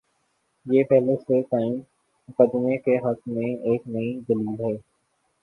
یہ پہلے سے قائم مقدمے کے حق میں ایک نئی دلیل ہے۔